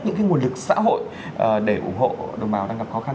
những cái nguồn lực xã hội để ủng hộ đồng bào đang gặp khó khăn